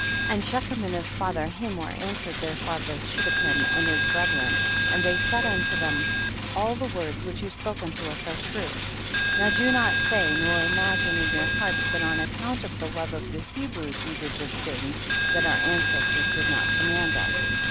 14. And Shechem and his father Hamor answered their father Chidde kem and his brethren, and they said unto them, all the words which you spoke unto us are true. 15. Now do not say, nor imagine in your hearts that on account of the love of the Hebrews we did this thing that our ancestors did not command us.